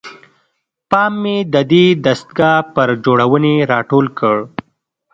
پام مې ددې دستګاه پر جوړونې راټول کړ.